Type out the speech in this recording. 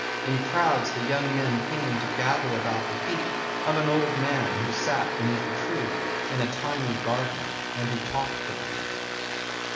In crowds the young men came to gather about the feet of an old man who sat beneath a tree in a tiny garden and who talked to them.